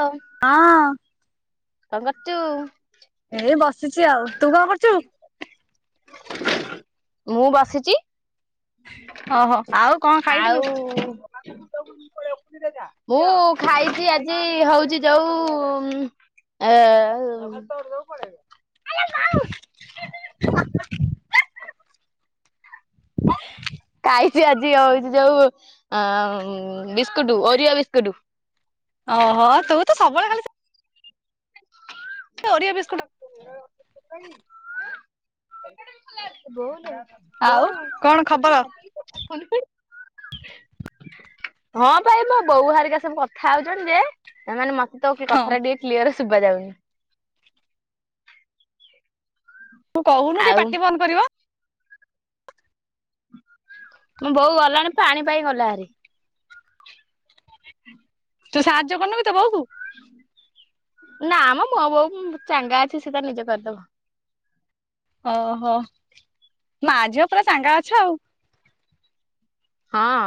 ହଁ। ହଁ। [unintelligible] କଣ କରଛୁ? ଏଇ ବସିଛି ଆଉ ତୁ କଣ କରୁଛୁ? ମୁଁ ବସିଛି। ଓହୋ ଆଉ କଣ ଖାଇଥିଲୁ ଆଉ ମୁଁ ଖାଇଛି ଆଜି ହଉଛି ଯୋଉ [unintelligible] [inaudible] ଖାଇଛି ଆଜି ହଉଛି ଯୋଉ ବିସ୍କୁଟ ଓରିଆ ବିସ୍କୁଟ। ଓହୋ ତୁ ତ ସବୁବେଳେ ଖାଲି ହ ଓରିଅ ବିସ୍କୁଟ [unintelligible] ବୋଉଲ ଆଉ ବୋଉ କଣ ଖବର ହଁ ପାଇବ ବୋଉ ହରିକା ସବୁ କଥା ହଉଛନ୍ତି ଯେ ସେମାନେ ମ ତ କି ହଁ କଥାଟ ଟିକେ କ୍ଲିୟର ଶୁବାଯାଉନି। ତୁ କହୁନୁ ଟିକେ ଆଉ ପାଟି ବନ୍ଦ କରିବ। ମୁଁ ବୋଉ ଗଲାଣି ପାଣି ପାଇଁ ଗଲାଣି। ତୁ ସାହାଯ୍ୟ କରିନୁ କି ତୋ ବୋଉ କୁ? ନା ମ ମୋ ବୋଉ ଚାଙ୍ଗା ଅଛି ସେ ତାର ନିଜେ କରିଦବ। ଓହୋ ମା ଝିଅ ପୁରା ଚାଙ୍ଗା ଅଛ ଆଉ। ହଁ।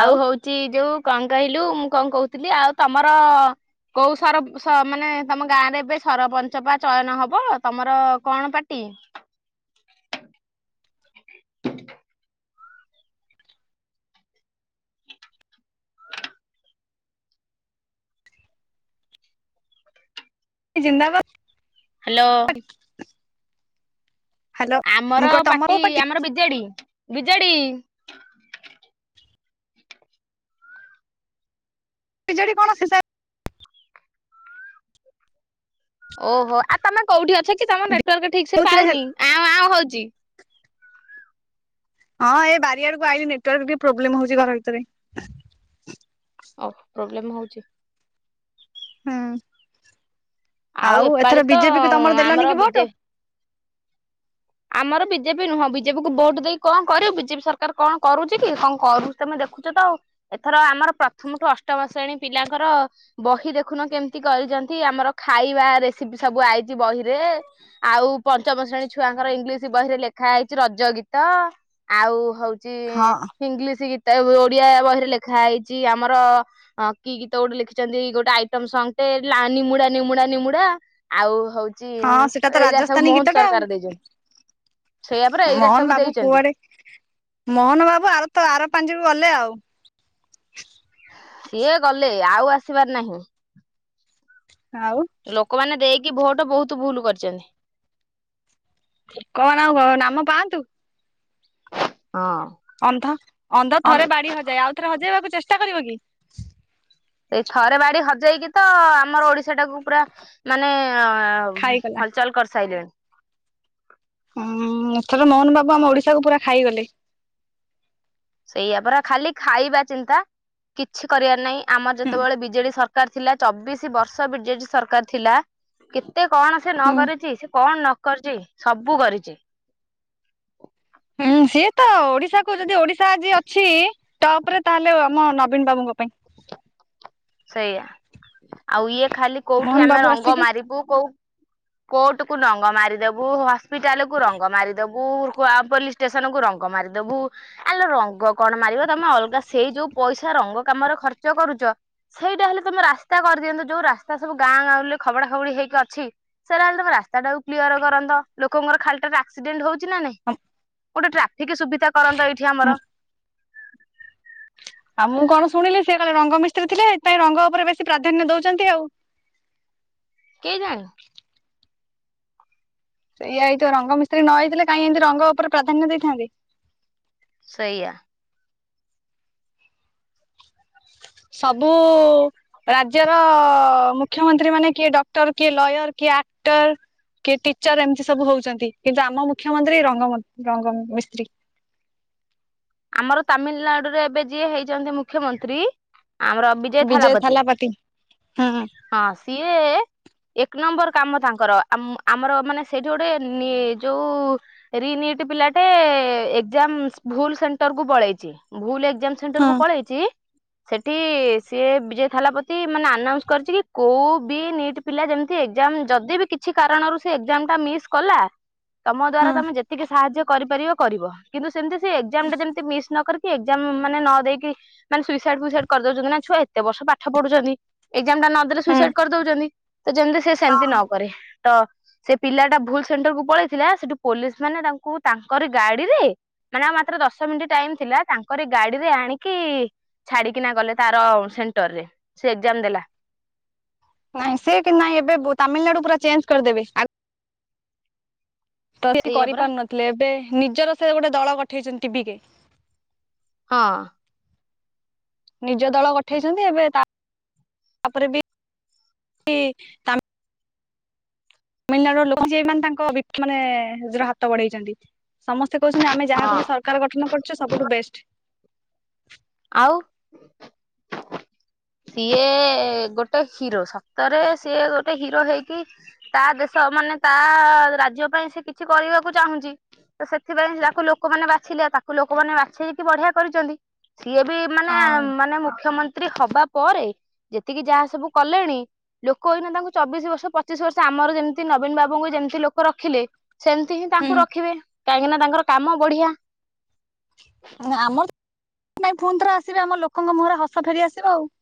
ଆଉ ହଉଛି ଯୋଉ କଣ କହିଲୁ ମୁଁ କଣ କହୁଥିଲି ଆଉ ତମର କୋଉ ସରପଞ୍ଚ ମାନେ ତମ ଗାଁ ରେ ଏବେ ସରପଞ୍ଚ ପା ଚୟନ ହବ, ତମର କଣ ପାର୍ଟି? ଜିନ୍ଦାବାଦ। ହ୍ୟାଲୋ। ହ୍ୟାଲୋ। ଆମର ମୁଁ କହ ତମ ପାର୍ଟି ବୋଉ ପା ଆମର ବିଜେଡି, ବିଜେଡ଼ି। ବିଜେଡି କଣ ଶେଷ ଓହୋଃ ଆଉ ତମେ କୋଉଠି ଅଛ କି? ତମ ନେଟୱାର୍କ ଠିକ ସେ କୋଉଥିରେ ହେ ପାଉନି ଆଉଁ ଆଉଁ ହଉଛି। ହଁ ଏ ବାରି ଆଡକୁ ଆଇଲି, ନେଟୱାର୍କ ବି ପ୍ରୋବ୍ଲେମ ହଉଛି ଘର ଭିତରେ। ଓଃ ପ୍ରୋବ୍ଲେମ୍ ହଉଛି। ହୁଁ ଆଉ ଏପାଳି ଏଥର ତ ବିଜେପିକୁୁ ତମର ଦେଲନି ଆମର କି ବିଜେ ଭୋଟ? ଆମର ବିଜେପି ନୁହଁ ବିଜେପି କୁ ଭୋଟ ଦେଇ କଣ କରିବୁ? ବିଜେପି ସରକାର କଣ କରୁଛି କି କଣ କରୁଛି? ତମେ ଦେଖୁଛ ତ ଆଉ। ଏଥର ଆମର ପ୍ରଥମଠୁ ଅଷ୍ଟମ ଶ୍ରେଣୀ ପିଲାଙ୍କର ବହି ଦେଖୁନ କେମିତି କରିଛନ୍ତି ଆମର ଖାଇବା ରେସିପି ସବୁ ଆଇଛି ବହିରେ। ଆଉ ପଞ୍ଚମ ଶ୍ରେଣୀ ଛୁଆ ତାଙ୍କର ଇଂଲିଶ ବହିରେ ଲେଖା ହେଇଛି ରଜ ଗୀତ ଆଉ ହଉଛି। ହଁ ଇଂଲିଶ ଗୀତ ଓଡିଆ ବହିରେ ଲେଖା ହେଇଛି ଆମର। ହଁ କି ଗୀତ ଗୋଟେ ଲେଖିଛନ୍ତି ଗୋଟେ ଆଇଟମ ସଙ୍ଗଟେ ଲା ନିମୁଡା ନିମୁଡା ନିମୁଡା। ଆଉ ହଉଛି ହଁ ସେଟା ତ ଏଇଟା ରାଜସ୍ଥାନୀ ସବୁ ଗୀତ ମୋହନ ଟା ଆଉ ସରକାର ଦେଇଛନ୍ତି। ସେଇଆପରା ଏଇରା ମୋହନ ସବୁ ବାବୁ ଦେଇଛନ୍ତି। କୁଆଡେ ମୋହନ ବାବୁ ଆର ତ ଆର ପାଞ୍ଜିରୁ ଗଲେ ଆଉ। ସିଏ ଗଲେ ଆଉ ଆସିବାର ନାହିଁ। ଆଉ। ଲୋକମାନେ ଦେଇକି ଭୋଟ ବହୁତ ଭୁଲ କରିଛନ୍ତି। କଣ ଆଉ କ ନାମ ପାଆନ୍ତୁ। ହଁ। ଅନ୍ଧ ଅନ୍ଧ ଥରେ ବାଡି ହଜାଏ ଆଉ ଥରେ ହଜେଇବାକୁ ଚେଷ୍ଟା କରିବ କି? ସେଇ ଥରେ ବାଡି ହଜେଇକି ତ ଆମର ଓଡିଶା ଟାକୁ ପୁରା ମାନେ ଏ ହ ଖାଇଗଲା ହଲଚଲ କରିସାରିଲେଣି। ହଁ ଏଥର ମୋହନ ବାବୁ ଆମ ଓଡିଶାକୁ ପୁରା ଖାଇଗଲେ। ସେଇଆପରା ଖାଲି ଖାଇବା ଚିନ୍ତା କିଛି କରିବାର ନାହିଁ, ଆମର ହୁଁ ଯେତେବେଳେ ବିଜେଡି ସର କାର ଥିଲା ଚବିଶି ବର୍ଷ ବିଜେଡି ସରକାର ଥିଲା, କେତେ କଣ ସେ ନ ହୁଁ କରିଛି ସେ କଣ ନ କରିଛି ସବୁ କରିଛି। ହୁଁ ସିଏ ତ ଓଡିଶା କୁ ଯଦି ଓଡିଶା ଆଜି ଅଛି ତାଉପରେ ତାହେଲେ ଆମ ନବୀନ ବାବୁଙ୍କ ପା ସେଇଆ ଆଉ ଇଏ ଖାଲି କୋଉଠି ମୋହନ ଆମେ ବାବୁ ରଙ୍ଗ ଆସିକି ମାରିବୁ କୋଉ କୋର୍ଟ କୁ ରଙ୍ଗ ମାରିଦବୁ, ହସ୍ପିଟାଲ କୁ ରଙ୍ଗ ମାରିଦବୁ, ପୋଲିସ ଷ୍ଟେସନ କୁ ରଙ୍ଗ ମାରିଦବୁ ଆଲୋ ରଙ୍ଗ କଣ ମାରିବ? ତମେ ଅଲଗା ସେଇ ଯୋଉ ପଇସା ରଙ୍ଗ କାମରେ ଖର୍ଚ୍ଚ କରୁଛ, ସେଇଟା ହେଲେ ତମେ ରାସ୍ତା କରିଦିଅନ୍ତ, ଯୋଉ ରାସ୍ତା ସବୁ ଗାଁ ଗାଁଉଲିରେ ଖବଡା ଖବଡି ହେଇକି ଅଛି, ସେଇଟା ହେଲେ ତମେ ରାସ୍ତା ଟାକୁ କ୍ଲିୟର କରନ୍ତ ଲୋକଙ୍କର ଖାଲିଟାରେ ଆକ୍ସିଡେଣ୍ଟ ହଉଛି। ଛିନା ନାଇଁ ଗୋଟେ ଟ୍ରାଫିକ ସୁବିଧା କରନ୍ତ ଏଇଠି ଆମର। ଆଉ ମୁଁ କଣ ଶୁିଣିଲି ସିଏ କାଳେ ରଙ୍ଗ ମିସ୍ତ୍ରୀ ଥିଲେ, ସେଥିପାଇଁ ରଙ୍ଗ ଉପରେ ବେଶୀ ପ୍ରାଧାନ୍ୟ ଦଉଛନ୍ତି ଆଉ। କେଇଜାଣି? ସେଇଆ ହେଇଥିବ ରଙ୍ଗ ମିସ୍ତ୍ରୀ ନ ହେଇଥିଲେ କାଇଁ ଏମିତି ରଙ୍ଗ ଉପରେ ପ୍ରାଧାନ୍ୟ ଦେଇଥାନ୍ତେ। ସେଇଆ। ସବୁ ରାଜ୍ୟର ଅ ମୁଖ୍ୟମନ୍ତ୍ରୀ ମାନେ କିଏ ଡକ୍ଟର, କିଏ ଲୟର, କିଏ ଆକ୍ଟର, କି ଟିଚର ଏମିତି ସବୁ ହଉଛନ୍ତି, କିନ୍ତୁ ଆମ ମୁଖ୍ୟମନ୍ତ୍ରୀ ରଙ୍ଗ ରଙ୍ଗ ମିସ୍ତ୍ରୀ। ଆମର ତାମିଲନାଡୁରେ ଏବେ ଯିଏ ହେଇଛନ୍ତି ମୁଖ୍ୟମନ୍ତ୍ରୀ ଆମର ବିଜୟ ଥାଲାପତି। ହୁଁ ହୁଁ। ହଁ ସିଏ ଏକ ନମ୍ବର କାମ ତାଙ୍କର ଆମ ଆମର ମାନେ ସେଇଠି ଗୋଟେ ନି ଯୋଉ ରିନ୍ ଇଟି ପିଲାଟେ ଏକ୍ସ୍ରାମ ଭୁଲ ସେଣ୍ଟର କୁ ପଳେଇଚି ଭୁଲ ଏକ୍ସ୍ରାମ୍ ସେ ହଁ ସେଣ୍ଟରକୁ ପଳେଇଚି ସେଠି ସିଏ ବିଜୟ ଥାଲା ପତି ମାନେ ଆନାଉଁସ କରିଚି କି କୋଉ ବି ନିଟ୍ ପିଲା ଯେମିତି ଏକ୍ସାଂ ଯଦି ବି କିଛି କାରଣରୁ ସେ ଏକ୍ସାମଟା ମିସ୍ କଲା ତମ ଦ୍ଵାରା ହଁ ତମେ ଯେତିକି ସାହାଯ୍ୟ କରିପାରିବ କରିବ କିନ୍ତୁ ସେମିତି ସେ ଏକ୍ସାଁ ଟା ଯେମିତି ମିସ୍ ନ କରୁ ଏକ୍ସା ମାନେ ନ ଦେଇକି ମାନେ ସୁଇସାଇଟ ଫୁଇସାଇଟ କରିଦଉଛନ୍ତି ନା ଛୁଆ ଏତେ ବର୍ଷ ପାଠ ପଢୁଛନ୍ତି। ଏକ୍ସା ଟା ନଦେଲେ ହଁ ସୁଇସାଇଡ କରି ଦଉଛନ୍ତି ତ ଯେମିତି ସେ ସେମିତି ନ ହଁ କରେ। ତ ସେ ପିଲା ଟା ଭୁଲ ସେଣ୍ଟର କୁ ପଳେଇଥିଲା ସେଠୁ ପୋଲିସ ମାନେ ତାଙ୍କୁ ତାଙ୍କରି ଗାଡିରେ ମାନେ ଆଉ ମାତ୍ର ଦଶ ମିନିଟ ଟାଇମ ଥିଲା ତାଙ୍କରି ଗାଡିରେ ଆଣିକି ଛାଡିକିନା ଗଲେ ତାର ସେଣ୍ଟର ରେ ସେ ଏକ୍ସାମ ଦେଲା। ନାଇଁ ସେ କି ନାଇଁ ଏବେ ତାମିଲନାଡୁ ପୁରା ଚେଞ୍ଜ କରିଦେବେ ଆ ତ ସେ ସେଇଆ ପରା କରିପାରୁ ନଥିଲେ ଏବେ ନିଜର ସେ ଗୋଟେ ଦଳ ଗଠେଇଛନ୍ତି ଟିଭିିରେ ହଁ। ନିଜ ଦଳ ଗଠେଇଛନ୍ତି ଏବେ ତା ତାପରେ ବି ତାମି ତାମିଲନାଡୁ ର ଲୋକ ଯିଏ ମାନେ ତାଙ୍କ ମାନେ ନିଜର ହାତ ବଢେଇଛନ୍ତି। ସମସ୍ତେ କହୁଛନ୍ତି ଆମେ ହଁ ଯାହାକୁ ବି ସରକାର ଗଠନ କରିଚୁ ସବୁଠୁ ବେଷ୍ଟ। ଆଉ ସିଏ ଗୋଟେ ହିରୋ ସତରେ ସିଏ ଗୋଟେ ହିରୋ ହେଇକି ତା ଦେଶ ମାନେ ତା ରାଜ୍ୟ ପାଇଁ ସେ କିଛି କରିବାକୁ ଚାହୁଁଚି। ତ ସେଥିପାଇଁ ତାକୁ ଲୋକମାନେ ବାଛିଲେ ତାକୁ ଲୋକମାନେ ବାଛେଇକି ବଢିଆ କରିଛନ୍ତି। ସିଏ ବି ମାନେ ହଁ ମାନେ ମୁଖ୍ୟମନ୍ତ୍ରୀ ହବା ପରେ ଯେତିକି ଯାହା ସବୁ କଲେଣି ଲୋକ ଏଇନେ ତାଙ୍କୁ ଚବିଶ ବର୍ଷ ପଚିଶ ବର୍ଷ ଆମର ଯେମିତି ନବୀନ ବାବୁଙ୍କୁ ଯେମିତି ଲୋକ ରଖିଲେ, ସେମିତି ହିଁ ତାଙ୍କୁ ହୁଁ ରଖିବେ କାହିଁକିନା ତାଙ୍କର କାମ ବଢିଆ। ଆମର ପୁଣି ଥରେ ଆସିବେ ଆମ ଲୋକଙ୍କ ମୁହଁରେ ହସ ଫେରି ଆସିବ ଆଉ।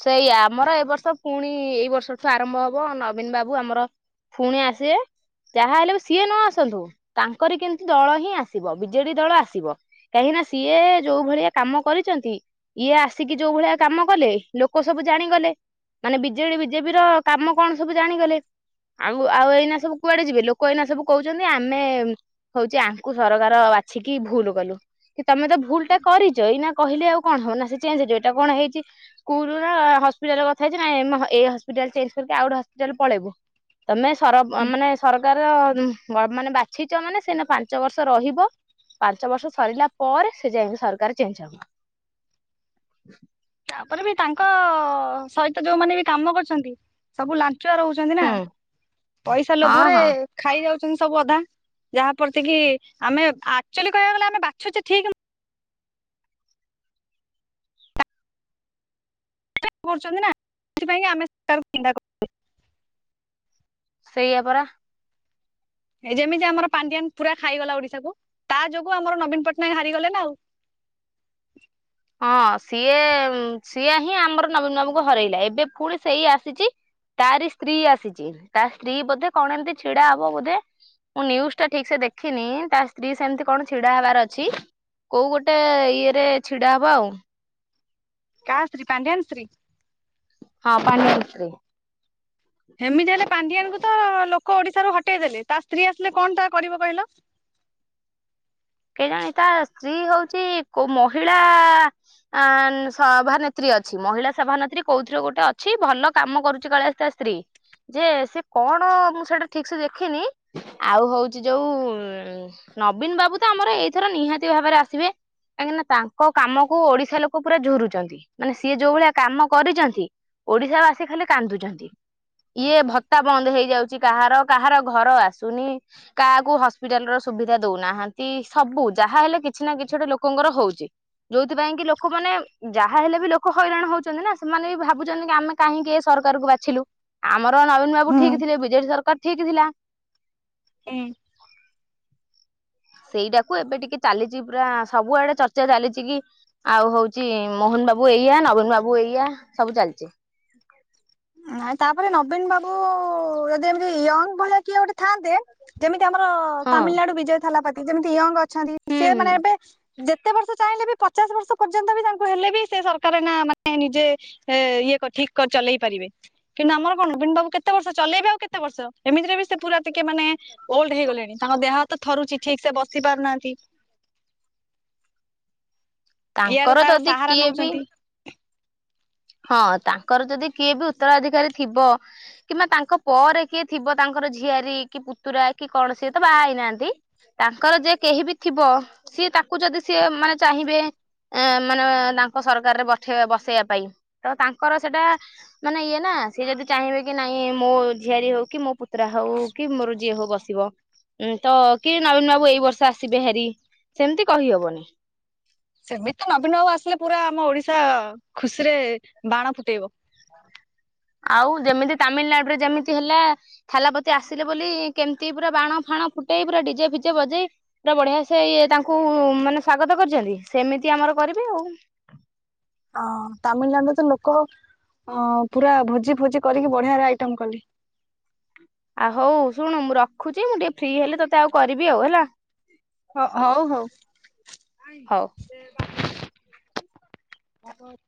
ସେଇଆ ଆମର ଏ ବର୍ଷ ପୁଣି ଏଇ ବର୍ଷଠୁ ଆରମ୍ଭ ହବ ନବୀନ ବାବୁ ଆମର ଫୁଣି ଆସିବେ। ଯାହା ହେଲେ ବି ସିଏ ନ ଆସନ୍ତୁ ତାଙ୍କରି କିନ୍ତୁ ଦଳ ହିଁ ଆସିବ ବିଜେଡି ଦଳ ଆସିବ। କାହିଁକି ନା ସିଏ ଯୋଉ ଭଳିଆ କାମ କରିଚନ୍ତି ଇଏ ଆସିକି ଯୋଉ ଭଳିଆ କାମ କଲେ। ଲୋକ ସବୁ ଜାଣିଗଲେ ମାନେ ବିଜେଡି ବିଜେପି ର କାମ କଣ ସବୁ ଜାଣିଗଲେ। ଆଉ ଆଉ ଏଇନା ସବୁ କୁଆଡେ ଯିବେ ଲୋକ ଏଇନା ସବୁ କହୁଛନ୍ତି ଆମେ ହଉଛି ଆଙ୍କୁ ସରକାର ବାଛିକି ଭୁଲ କଲୁ। କି ତମେ ତ ଭୁଲ ଟେ କରିଛ ଏଇ ନା କହିଲେ ଆଉ କଣ ହବ ନା ସେ ଚେଞ୍ଜ ହେଇଯିବେ ଏଇଟା କଣ ହେଇଛି ସ୍କୁଲର ହସ୍ପିଟାଲ କଥା ହେଇଛି ନା ଏଇ ହସ୍ପିଟାଲ ଚେଞ୍ଜ କରିକି ଆଉ ଗୋଟେ ହସ୍ପିଟାଲ ପଳେଇବୁ। ତମେ ସର ହୁଁ ମାନେ ସରକାର ମାନେ ବାଛିଛ ମାନେ ସେ ଏଇନେ ପାଞ୍ଚ ବର୍ଷ ରହିବ। ପାଞ୍ଚ ବର୍ଷ ସରିଲା ପରେ ସେ ଯାଇଁକି ସରକାର ଚେଞ୍ଜ ହବ। ତାପରେ ବି ତାଙ୍କ ସହିତ ଯୋଉମାନେ ବି କାମ କରୁଛନ୍ତି ସବୁ ଲାଞ୍ଚୁଆ ରହୁ ନା ହୁଁ ପଇସା ହଁ ଲୋଭରେ ହଁ ଖାଇ ଯାଉଛନ୍ତି ସବୁ ଅଧା ଯାହାପ୍ରତି କି ଆମେ ଆକଚୁଆଲି କହିବାକୁ ଗଲେ ଆମେ ବାଛୁଛେ ଠିକ କରୁଛନ୍ତି ନା ସେଥିପାଇଁ ଆମେ [inaudible] ସେଇଆ ପରା। ଏ ଯେମିତି ଆମର ପାଣ୍ଡିଆନ ପୁରା ଖାଇଗଲା ଓଡିଶାକୁ ତା ଯୋଗୁ ଆମର ନବୀନ ପଟ୍ଟନାୟକ ହାରିଗଲେ ନା ଆଉ। ହଁ ସିଏ ସିଏ ହିଁ ଆମର ନବୀନ ବାବୁଙ୍କୁ ହରେଇଲା ଏବେ ଫୁଣି ସେଇ ଆସିଛି। ତାରି ସ୍ତ୍ରୀ ଆସିଛି ତା ସ୍ତ୍ରୀ ବୋଧେ କଣ ଏମିତି ଛିଡା ହବ ବୋଧେ। ମୁଁ ନ୍ୟୁଜ ଟା ଠିକ ସେ ଦେଖିନି ତା ସ୍ତ୍ରୀ ସେମିତି କଣ ଛିଡା ହେବାର ଅଛି। କୋଉ ଗୋଟେ ଇଏରେ ଛିଡା ହବ ଆଉ। କା ସ୍ତ୍ରୀ ପାଣ୍ଡିଆନ ସ୍ତ୍ରୀ। ହଁ ପାଣ୍ଡିଆନ ସ୍ତ୍ରୀ। ହେମିତି ହେଲେ ପାଣ୍ଡିଆନାକୁ ତ ଲୋକ ଓଡିଶାରୁ ହଟେଇ ଦେଲେ ତା ସ୍ତ୍ରୀ ଆସିଲେ କଣ ଟା କରିବ କହିଲ। କେ ଜାଣି ତା ସ୍ତ୍ରୀ ହଉଛି କଉ ମହିଳା ଆ ସଭାନେତ୍ରୀ ଅଛି ମହିଳା ସଭାନେତ୍ରୀ କୋଉଥିରେ ଗୋଟେ ଅଛି ଭଲ କାମ କରୁଛି କାଳେ ତା ସ୍ତ୍ରୀ। ଯେ ସେ କଣ ମୁଁ ସେଇଟା ଠିକ୍ ସେ ଦେଖିନି ଆଉ ହଉଛି ଯୋଉ ନବୀନ ବାବୁ ତ ଆମର ଏଇଥର ନିହାତି ଭାବରେ ଆସିବେ। କାହିଁକି ନା ତାଙ୍କ କାମ କୁ ଓଡିଶା ଲୋକ ପୁରା ଝୁରୁଛନ୍ତି ମାନେ ସିଏ ଯୋଉ ଭଳିଆ କାମ କରିଚନ୍ତି। ଓଡିଶା ବାସୀ ଖାଲି କାନ୍ଦୁଚନ୍ତି। କିଏ ଭତ୍ତା ବନ୍ଦ ହେଇଯାଉଛି କାହାର କାହାର ଘର ଆସୁନି। କାହାକୁ ହସ୍ପିଟାଲ ର ସୁବିଧା ଦଉନାହା ନ୍ତି ସବୁ ଯାହା ହେଲେ କିଛି ନା କିଛି ଗୋଟେ ଲୋକଙ୍କର ହଉଛି। ଯୋଉଥିପାଇଁ କି ଲୋକମାନେ ଯାହା ହେଲେ ବି ଲୋକ ହଇରାଣ ହଉଛନ୍ତି ନା ସେମାନେ ବି ଭାବୁଛନ୍ତି କି ଆମେ କାହିଁକି ଏ ସରକାର କୁ ବାଛିଲୁ ଆମର ନବୀନ ବାବୁ ହୁଁ ଠିକ୍ ଥିଲେ ବିଜେଡି ସରକାର ଠିକ୍ ଥିଲା। ହୁଁ। ସେଇଟାକୁ ଏବେ ଟିକେ ଚାଲିଛି ପୁରା ସବୁଆଡେ ଚର୍ଚ୍ଚା ଚାଲିଚି କି ଆଉ ହଉଛି ମୋହନ ବାବୁ ଏଇଆ ନବୀନ ବାବୁ ଏଇଆ ସବୁ ଚାଲିଚି। ନାଇ ତାପରେ ନବୀନ ବାବୁ ଯଦି ଏମିତି ୟଙ୍ଗ ଭଳିଆ କିଏ ଗୋଟେ ଥାଆନ୍ତେ ଯେମିତି ଆମର ତାମିଲନାଡୁ ବିଜୟ ଥାଲାପାତି ଯେମିତି ୟଙ୍ଗ ଅଛନ୍ତି ସେ ମାନେ ହଁ। ଏବେ ଯେତେ ବର୍ଷ ଚାହିଁଲେ ବି ପଚାଶ ବର୍ଷ ପର୍ଯ୍ୟନ୍ତ ବି ତାଙ୍କୁ ହେଲେ ବି ସେ ସରକାର ନା ମାନେ ନିଜେ ଇଏ କ ଠିକ କରି ଚଲେଇ ପାରିବେ କିନ୍ତୁ ଆମର କଣ ନବୀନ ବାବୁ କେତେ ବର୍ଷ ଚଲେଇବେ ଆଉ କେତେ ବର୍ଷ ଏମିତିରେ ବି ସେ ପୁରା ଟିକେ ମାନେ [unintelligible] ହେଇଗଲେଣି ତାଙ୍କ ଦେହ ତ ଥରୁଛି ଠିକ୍ ସେ ବସି ପାରୁନାହାନ୍ତି। ଇଆର ତାଙ୍କର ତାର ଯଦି ସାହାରା କିଏ ବି ନଉଛନ୍ତି ହଁ ତାଙ୍କର ଯଦି କିଏ ବି ଉତ୍ତରାଧିକାରୀ ଥିବ। କିମ୍ବା ତାଙ୍କ ପରେ କିଏ ଥିବ ତାଙ୍କର ଝିଆରୀ କି ପୁତୁରା କି କଣ ସିଏ ତ ବାହା ହେଇନାହାନ୍ତି। ତାଙ୍କର ଯେ କେହି ବି ଥିବ ସିଏ ତାକୁ ଯଦି ସିଏ ମାନେ ଚାହିଁବେ ଏ ମାନେ ତାଙ୍କ ସରକାରରେ ପଠେଇବେ ବସେଇବା ପାଇଁ ତ ତାଙ୍କର ସେଟା ମାନେ ଇଏ ନା ସିଏ ଯଦି ଚାହିଁବେ କି ନାଇଁ ମୋ ଝିଆରୀ ହଉ କି ମୋ ପୁତୁରା ହଉ କି ମୋର ଯିଏ ହଉ ବସିବ। ଉଁ ତ କିଏ ନବୀନ ବାବୁ ଏଇ ବର୍ଷ ଆସିବେ ହାରି, ସେମିତି କହିହବନି ସେମିତି ତ ନବୀନ ବାବୁ ଆସିଲେ ପୁରା ଆମ ଓଡିଶା ଖୁସିରେ ବାଣ ଫୁଟେଇବ। ଆଉ ଯେମିତି ତାମିଲନାଡୁରେ ଯେମିତି ହେଲା ଥାଲାପତି ଆସିଲେ ବୋଲି କେମିତି ପୁରା ବାଣ ଫାଣ ଫୁଟେଇ ପୁରା ଡିଜେ ଫିଜେ ବଜେଇ ପୁରା ବଢିଆ ସେ ଇଏ ତାଙ୍କୁ ମାନେ ସ୍ଵାଗତ କରିଛନ୍ତି। ସେମିତି ଆମର କରିବେ ଆଉ। ଅ ତାମିଲନାଡୁ ରେ ତ ଲୋକ ଅ ପୁରା ଭୋଜି ଫୋଜି କରିକି ବଢିଆରେ ଆଇଟମ୍ କଲେ। ଆଉ ହଉ ଶୁଣୁ ମୁଁ ରଖୁଛି। ମୁଁ ଟିକେ ଫ୍ରି ହେଲେ ତତେ ଆଉ କରିବି ହେଲା। ହ ହଉ ହଉ। ହଉ। ଆ [inaudible]